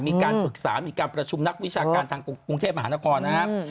มีการปรึกษามีการประชุมนักวิชาการทางกรุงเทพมหานครนะครับ